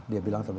dia bilang terlalu